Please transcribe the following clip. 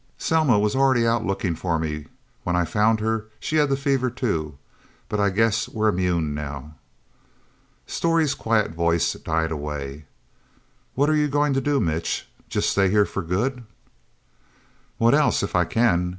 Selma was already out looking for me. When I found her, she had the fever, too. But I guess we're immune now." Storey's quiet voice died away. "What are you going to do, Mitch? Just stay here for good?" "What else if I can?